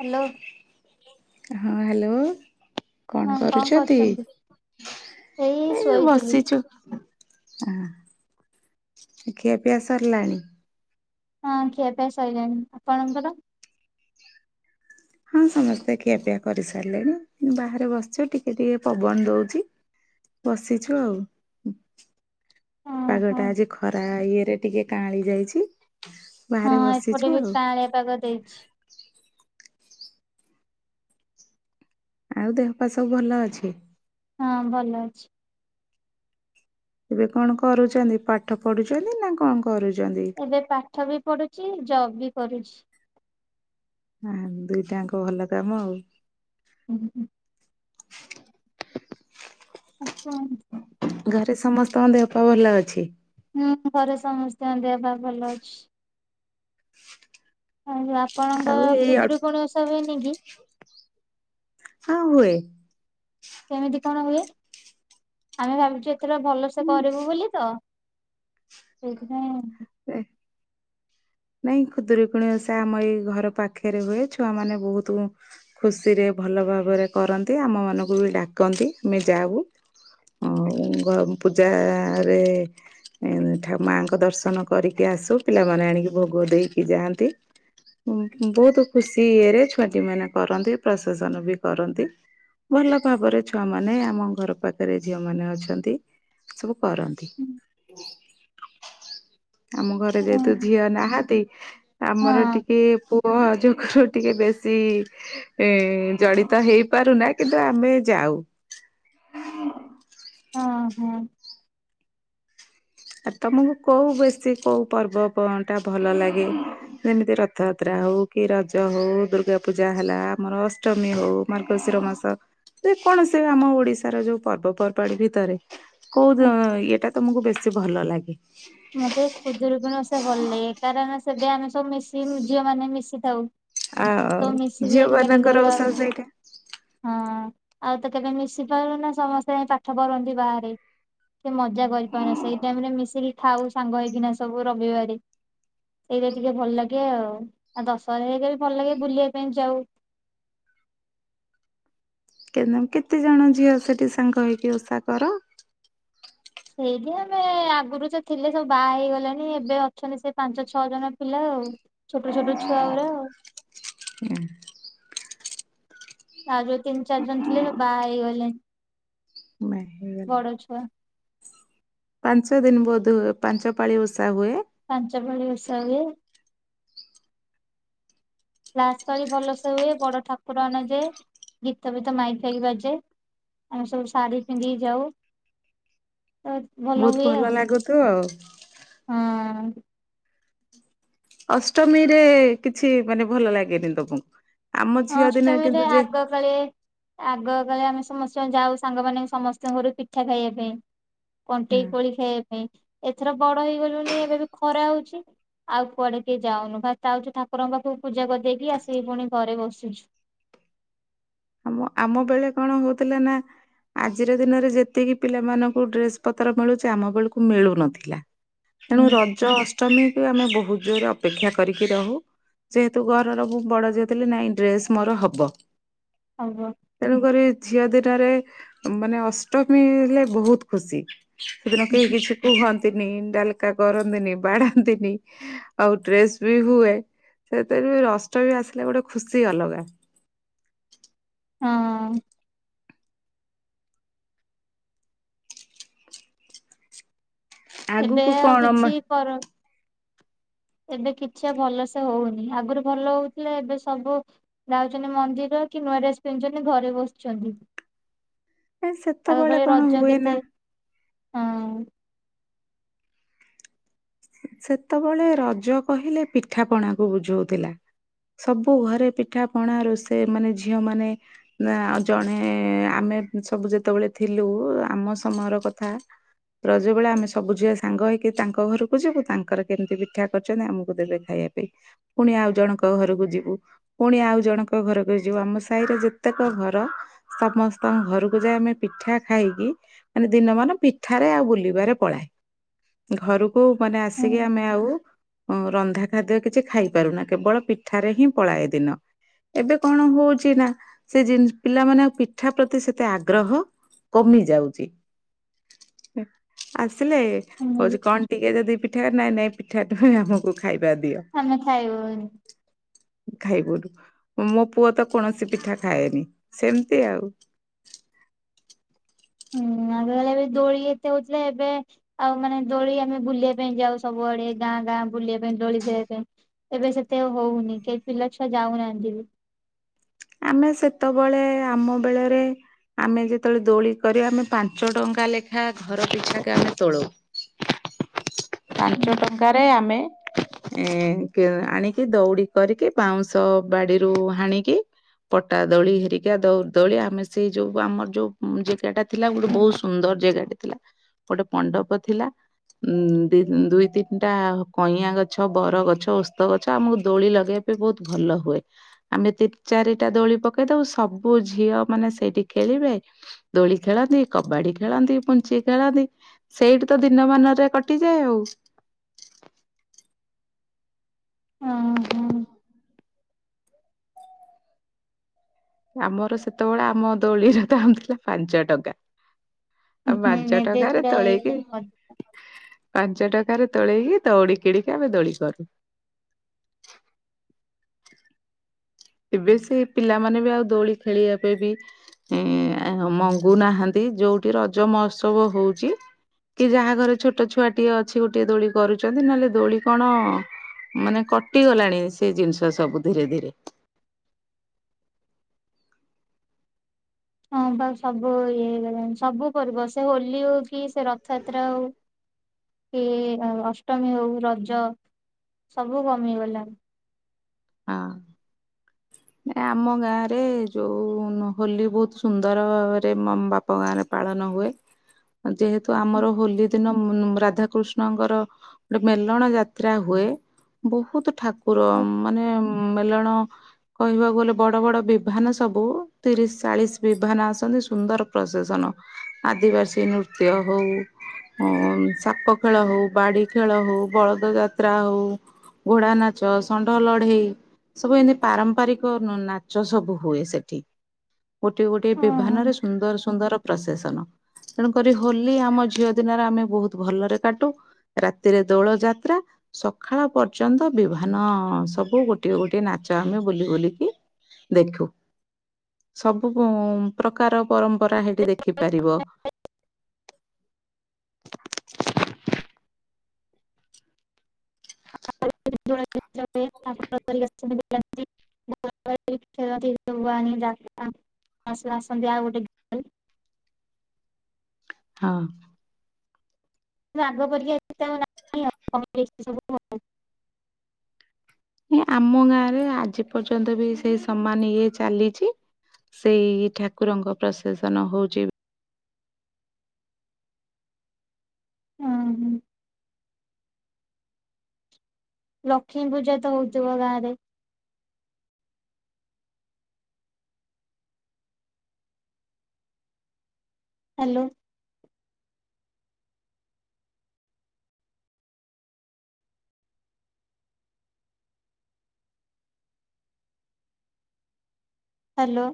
Hello. ହଁ hello. କଣ କରୁଛନ୍ତି? ଏଇ ବସିଛୁ। ଆ ଖିଆ ପିଆ ସରିଲାଣି? ହଁ ଖିଆ ପିଆ ସଇଲାଣି ଆପଣଙ୍କର? ହଁ ସମସ୍ତେ ଖିଆ ପିଆ କରିସାରିଲେଣି ବାହାରେ ବସିଚୁ ଟିକେ ଟିକେ ପବନ ଦଉଚି। ବସିଛୁ ଆଉ। ହଁ ପାଗ ହଁ ଟା ଆଜି ଖରା ଇଏରେ ଟିକେ କାଳି ଯାଇଛି। ବାହାରେ ବସିଛୁ ଆଉ। କାଳିଆ ପାାଗ ଦେଇଛି। ଆଉ ଦେହ ପା ସବୁ ଭଲ ଅଛି? ହଁ ଭଲ ଅଛି। ଏବେ କଣ କରୁଚନ୍ତି ପାଠ ପଢୁଚନ୍ତି ନା କଣ କରୁଚନ୍ତି? ଏବେ ପାଠ ବି ପଢୁଛି ଜବ ବି କରୁଛି। ଆ ଦୁଇଟାଙ୍କ ଭଲ କାମ ଆଉ। [unintelligible] ଆଛା। ଘରେ ସମସ୍ତଙ୍କ ଦେହ ପା ଭଲ ଅଛି? ହୁଁ ଘରେ ସମସ୍ତଙ୍କ ଦେହ ବା ଭଲ ଅଛି। ଆଉ ଆପଣଙ୍କ ଆଉ ଏଇ ଅଳ୍ପ ଖୁଦୁରୁକୁଣୀ ଓଷା ହୁଏନି କି? ହଁ ହୁଏ। କେମିତି କଣ ହୁଏ ଆମେ ଭାବୁଚୁ [unintelligible] ଭଲ ସେେ ହୁଏ। କରିବୁ ବୋଲି ତ। ସେଇଥିପାଇଁ [unintelligible] [unintelligible] ନାଇଁ ଖୁଦୁରୀକୁଣୀ ସେ ଆମ ଏଇ ଘର ପାଖରେ ହୁଏ ଛୁଆମାନେ ବହୁତୁ ଖୁସିରେ ଭଲ ଭାବରେ କରନ୍ତି ଆମମାନଙ୍କୁ ବି ଡାକନ୍ତି ଆମେ ଯାଉ। ଆଉ ଗ ପୂଜାରେ ଏ ଠା ମାଙ୍କ ଦର୍ଶନ କରିକି ଆସୁ ପିଲାମାନେ ଆଣିକି ଭୋଗ ଦେଇକି ଯାଆନ୍ତି। ବହୁତୁ ଖୁସି ଇରେ ଛୁଆଟି ମାନେ କରନ୍ତି ପ୍ରଶାସନ ବି କରନ୍ତି। ଭଲ ଭାବରେ ଛୁଆମାନେ ଆମ ଘର ପାଖରେ ଝିଅମାନେ ଅଛନ୍ତି ସବୁ କରନ୍ତି। ଆମ ଘରେ ହଁ ଯେହେତୁ ଝିଅ ନାହାନ୍ତି ହଁ ଆମର ଟିକେ ପୁଅ ଯୋଗରୁ ଟିକେ ବେଶୀ ଏ ଜଡ଼ିତ ହେଇପାରୁନା କିନ୍ତୁ ଆମେ ଯାଉ। ହଁ ହଁ! ଆ ତମକୁ କୋଉ ବେଶୀ କୋଉ ପର୍ବ ପ ଟା ଭଲ ଲାଗେ? ଯେମିତି ରଥଯାତ୍ରା ହଉ କି ରଜ ହଉ ଦୁର୍ଗା ପୂଜା ହେଲା ଆମର ଅଷ୍ଟମୀ ହଉ। ମାର୍ଗଶିର ମାସ ତ ଯେ କୌଣସି ବି ଆମ ଓଡିଶାର ଯୋଉ ପର୍ବପର୍ବାଣି ଭିତରେ କୋଉ ଇଏଟା ତମକୁ ବେଶୀ ଭଲ ଲାଗେ? ମତେ ଖୁଦୁରୁକୁଣୀ ଓଷା ଭଲ ଲାଗେ କାରଣ ସେବେ ଆମେ ସବୁ ମିଶି ଝିଅମାନେ ମିଶିଥାଉ। ଆଉ ତ ମିଶିକି ଏକାଠି କରୁ ଝିଅମାନଙ୍କର ଆଉ ଓଷା ସେଇଟା। ହଁ ଆଉ ତ କେବେ ମିଶିପାରୁନା ସମସ୍ତେ ପାଠ ପଢ଼ନ୍ତି ବାହାରେ। ସେ ମଜା କରିପାରୁନା ସେଇ ଟାଇମରେ ମିଶିକି ଥାାଉ ସାଙ୍ଗ ହେଇକିନା ସବୁ ରବିବାରେ। ଏଇଟା ଟିକେ ଭଲ ଲାଗେ ଆଉ ଆଉ ଦଶହରା [unintelligible] ଭଲ ଲାଗେ ବୁଲିବା ପାଇଁ ଯାଉ। କେ କେତେଜଣ ଝିଅ ସେଠି ସାଙ୍ଗ ହେଇକି ଓଷା କର? ସେଇଠି ଆମେ ଆଗରୁ ଯେ ଥିଲେ ସବୁ ବାହା ହେଇଗଲେଣି ଏବେ ଅଛନ୍ତି ସେ ପାଞ୍ଚ ଛଅ ଜଣ ପିଲା ଆଉ। ଛୋଟ ଛୋଟ ଛୁଆ ଉରା ଆଉ। [unintelligible] ଆଉ ଯୋଉ ତିନ୍ ଚାରି ଜଣ ଥିଲେ ବାହା ହେଇଗଲେଣି। [unintelligible] ଗଲେ। ଛୋଟ ଛୁଆ। ପାଞ୍ଚ ଦିନ୍ ବୋଧହୁଏ, ପାଞ୍ଚ ପାଳି ଓଷା ହୁଏ। ପାଞ୍ଚ ପାଳି ଓଷା ହୁଏ। ଲାଷ୍ଟ ପାଳି ଭଲ ସେ ହୁଏ, ବଡ଼ ଠାକୁର ଅଣାଯାଏ, ଗୀତ ଫିତ ମାଇକ୍ ଫାଇକ୍ ବାଜେ। ଆମେ ସବୁ ଶାଢ଼ୀ ପିନ୍ଧିକି ଯାଉ। ତ ଭଲ ବହୁତ ହୁଏ, ଆଉ ଲାଗୁଥିବ ଆଉ। ହଁ। ଅଷ୍ଟମୀରେ କିଛି ମାନେ ଭଲ ଲାଗେନି ତମକୁ? ଆମ ହଁ ଝିଅ ଦିନରେ ଅଷ୍ଟମୀରେ କିନ୍ତୁ ଯେ ଆଗ କାଳେ ଆଗ କାଳେ ଆମେ ସମସ୍ତେ ଯାଉ ସାଙ୍ଗ ମାନେ ସମସ୍ତଙ୍କ ଘରୁ ପିଠା ଖାଇବା ପାଇଁ। କଣ୍ଟେଇ କୋଳି ଖାଇବା ପାଇଁ। ଏଥର ବଡ଼ ହେଇ ଗଲୁଣି ଏବେ ବି ଖରା ହୋଉଚି। ଆଉ କୁଆଡେ କିଏ ଯାଉନୁ। ଖାଲି ତାଉଛୁ ଠାକୁରଙ୍କ ପାଖକୁ ପୂଜା କରି ଦେଇକି ଆସିକି ପୁଣି ଘରେ ବସୁଛୁ। ମ ଆମ ବେଳେ କଣ ହୋଉଥିଲା ନା? ଆଜିର ଦିନରେ ଯେତିକି ପିଲାମାନଙ୍କୁ ଡ୍ରେସପତ୍ର ମିଳୁଚି। ଆମ ବେଳକୁ ମିଳୁନଥିଲା। ତେଣୁ ହୁଁ ରଜ ଅଷ୍ଟମୀକୁ ଆମେ ବହୁତ୍ ଜୋରେ ଅପେକ୍ଷା କରିକି ରହୁ। ଯେହେତୁ ଘରର ମୁଁ ବଡ ଝିଅ ଥିଲି ଡ୍ରେସ ମୋର ହବ। ହବ। ତେଣୁକରି ଝିଅ ଦିଟାରେ ମାନେ ଅଷ୍ଟମୀ ହେଲେ ବହୁତ୍ ଖୁସି। ସେଦିନ କେହି କିଛି କୁହନ୍ତିନି ଡାଲକା କରନ୍ତିନି ବାଡାନ୍ତିନି। ଆଉ ଡ୍ରେସ ବି ହୁଏ। ସେତେରେ ଅଷ୍ଟମୀ ଆସିଲେ ଗୋଟେ ଖୁସି ଅଲଗା। ହଁଅଁ। ଏବେ ଆଗକୁ ଆଉ କଣ ମା କିଛି କର। ଏବେ କିଛି ଆଉ ଭଲସେ ହୋଉନି। ଆଗରୁ ଭଲ ହୋଉଥିଲା। ଏବେ ସବୁ ଯାଉଚନ୍ତି ମନ୍ଦିର କି ନୂଆ ଡ୍ରେସ ପିନ୍ଧୁଚନ୍ତି? ଘରେ ବସୁଛନ୍ତି। ଏ ଆଗ ସେତେବେଳେ କାଳେ କଣ ରଜ ହୁଏ ନା କେତେ ହଁ। ସେତେବେଳେ ରଜ କହିଲେ ପିଠା ପଣାକୁ ବୁଝୋଉଥିଲା। ସବୁ ଘରେ ପିଠା ପଣା ରୋଷେଇ ମାନେ ଝିଅମାନେ ନା ଆ ଜଣେ ଆମେ ସବୁ ଯେତେବେଳେ ଥିଲୁ ଆମ ସମୟର କଥା ରଜ ବେଳେ ଆମେ ସବୁ ଝିଅ ସାଙ୍ଗ ହେଇକି ତାଙ୍କ ଘରୁ ଯିବୁ ତାଙ୍କର କେମିତି ପିଠା କରିଚନ୍ତି ଆମକୁ ଦେବେ ଖାଇବା ପେଇ। ପୁଣି ଆଉ ଜଣଙ୍କ ଘରକୁ ଯିବୁ। ପୁଣି ଆଉ ଜଣଙ୍କ ଘରକୁ ଯିବୁ। ଆମ ସାଇର ଯେତେକ ଘର ସମସ୍ତଙ୍କ ଘରକୁ ଯାଇ ଆମେ ପିଠା ଖାଇକି ମାନେ ଦିନମାନ ପିଠାରେ ଆଉ ବୁଲିବାରେ ପଳାଏ। ଘରୁ କୁ ମାନେ ହୁଁ ଆସିକି ଆମେ ଆଉ ଅ ରନ୍ଧା ଖାଦ୍ୟ କିଛି ଖାଇପାରୁନା କେବଳ ପିଠାରେ ହିଁ ପଳାଏ ଦିନ। ଏବେ କଣ ହୋଉଚିନା ସେ ଜି ପିଲାମାନେ ଆଉ ପିଠା ପ୍ରତି ସେତେ ଆଗ୍ରହ କମି ଯାଉଚି। ଆସିଲେ ହୁଁ ହଉଚି କଣ ଟିକେ ଯଦି ପିଠା ନାଇଁ ନାଇଁ ପିଠା ନୁହେଁ ଆମକୁ ଖାଇବା ଦିଅ। ଖାନା ଖାଇବୁ ଏନ୍। ଖାଇବୁ ଉଠୁ। ମୋ ପୁଅ ତ କୌଣସି ପିଠା ଖାଏନି। ସେମିତି ଆଉ ନୂଆଵେଳେବି ଦୋଳି ଏତେ ହୋଉଥିଲା, ଏବେ ଆଉ ମାନେ ଦୋଳି ଆମେ ବୁଲିବା ପାଇଁ ଯାଉ ସବୁଆଡ଼େ। ଗାଁ ଗାଁ ବୁଲିବା ପାଇଁ ଦୋଳି ଖେଳିବାପେ ଏବେ ସେତେ ଆଉ ହୋଉନି। କେହି ପିଲାଛୁଆ ଯାଉନାହାନ୍ତି ବି। ଆମେ ସେତବେଳେ ଆମ ବେଳରେ ଆମେ ଯେତେବେଳେ ଦୋଳି କରି ଆମେ ପାଞ୍ଚ ଟଙ୍କା ଲେଖା ଘର ପିଛାକେ ଆମେ ତୋଳୋଉ। ହଁ ପାଞ୍ଚ ଟଙ୍କାରେ ଆମେ ଏଁ କି ଆଣିକି ଦଉଡ଼ି କରିକି ବାଉଁଶ ବାଡିରୁ ହାଣିକି ପଟା ଦୋଳି ହେରିକା ଦଉ ଦୋଳି ଆମେ ସେଇ ଯୋଉ ଆମର ଯୋଉ ଜେଗାଟା ଥିଲା ଗୋଟେ ବହୁତ ସୁନ୍ଦର ଜେଗାଟେ ଥିଲା। ଗୋଟେ ପଣ୍ଡପ ଥିଲା। ଉଁ ଦି ଦୁଇ ତିନିଟା କଇଁଆ ଗଛ ବର ଗଛ ଓସ୍ତ ଗଛ ଆମକୁ ଦୋଳି ଲଗେଇ ଏବେ ବୋହୁତ ଭଲ ହୁଏ। ଆମେ ତିନି ଚାରିଟା ଦୋଳି ପକେଇ ଦୋବୁ ସବୁ ଝିଅ ମାନେ ସେଇଠି ଖେଳିବେ। ଦୋଳି ଖେଳନ୍ତି କବାଡି ଖେଳନ୍ତି ପୁଞ୍ଚି ଖେଳନ୍ତି ସେଇଠି ତ ଦିନମାନରେ କ କଟିଯାଏ ଆଉ। ହଁ ହଁ। ଆମର ସେତେବେଳେ ଆମ ଦୋଳିର ଦାମ ଥିଲା ପାଞ୍ଚ ଟଙ୍କା। ଆଉ ହୁଁ ପାଞ୍ଚ ଏବେ ଟଙ୍କାରେ ପୁରା ତୋଳେଇକି। ହେଇଗଲାଣି ପାଞ୍ଚ ଟକାରେ ତୋଳେଇକି ଦଉଡି କିଣିକି ଆମେ ଦୋଳି କରୁ। ଏବେ ସେ ପିଲାମାନେ ବି ଆଉ ଦୋଳି ଖେଳିବା ପାଇଁ ବି। ଏ ମଙ୍ଗୁନାହାନ୍ତି ଯୋଉଠି ରଜ ମହୋତ୍ସବ ହଉଛି। କି ଯାହା ଘରେ ଛୋଟ ଛୁଆଟିଏ ଅଛି ଗୋଟିଏ ଦୋଳି କରୁଛନ୍ତି। ନହେଲେ ଦୋଳି କଣ। ମାନେ କଟିଗଲାଣି ସେ ଜିନିଷ ସବୁ ଧୀରେ ଧୀରେ। ହଁ ବା ସବୁ ଇଏ ହେଇଗଲାଣି ସବୁ ପର୍ବ ସେ ହୋଲି ହଉ କି ସେ ରଥଯାତ୍ରା ହଉ। କି ଅଷ୍ଟମୀ ହଉ ରଜ ସବୁ କମିଗଲାଣି। ହଁ। ନ ଆମ ଗାଁ ରେ ଯୋଉ ନ ହୋଲି ବହୁତ ସୁନ୍ଦର ଭାବରେ ବାପ ମା ର। ପାଳନ ହୁଏ, ଯେହେତୁ ଆମର ହୋଲି ଦିନ [unintelligible] ରାଧାକୃଷ୍ଣଙ୍କର। ଗୋଟେ ମେଲଣ ଯାତ୍ରା ହୁଏ, ବହୁତ ଠାକୁର ମାନେ ମେଲଣ, କହିବାକୁ ଗଲେ ବଡ ବଡ ବିଭାନ ସବୁ ତିରିଶ ଚାଳିଶ ବିଭାନ ଆସନ୍ତି ସୁନ୍ଦର ପ୍ରଶେସନ। ଆଦିବାସୀ ନୃତ୍ୟ ହଉ। ହ ସାପ ଖେଳ ହଉ ବାଡି ଖେଳ ହଉ ବଳଦ ଯାତ୍ରା ହଉ। ଘୋଡା ନାଚ ଷଣ୍ଡ, ଲଢେଇ ସବୁ ଏମତି ପାରମ୍ପରିକ ନାଚ ସବୁ ହୁଏ ସେଠି। ଗୋଟେ ଗୋଟେ ବିଭାନରେ ସୁନ୍ଦର ସୁନ୍ଦର ପ୍ରଶେସନ। ତେଣୁକରି ହୋଲି ଆମ ଝିଅ ଦିନରେ ଆମେ ବହୁତ ଭଲରେ କାଟୁ। ରାତିରେ ଦୋଳ ଯାତ୍ରା ସକାଳ ପର୍ଯ୍ୟନ୍ତ ବିଭାନ। ହଁ ସବୁ ଗୋଟିଏ ଗୋଟିଏ ନାଚ ଆମେ ବୁଲି ବୁଲିକି ଦେଖୁ। ସବୁ ପ୍ରକାର ପରମ୍ପରା ହେଇଠି ଦେଖିପାରିବ। [inaudible] [inaudible] ବାଣୀ ଯାତ୍ରା ଆସିଲା ସନ୍ଧ୍ୟା ଆଉ ଗୋଟେ, କିନ୍ତୁ ହଁ। ଆଗ ପରିକା ସିଟମ ନାଇଁ [inaudible] ସବୁ ଆମ ଗାଁ ରେ ଆଜି ପର୍ଯ୍ୟନ୍ତ ବି ସେଇ ସମାନ ଇଏ ଚାଲିଛି। ସେଇ ଠାକୁରଙ୍କ ପ୍ରଶେସନ ହଉଛି। ହଁ ହୁଁ। ଲକ୍ଷ୍ମୀ ପୂଜା ତ ହଉଥିବ ଗାଁ ରେ। ହ୍ୟାଲୋ। ହ୍ୟାଲୋ।